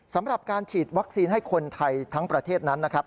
สำหรับการฉีดวัคซีนให้คนไทยทั้งประเทศนั้นนะครับ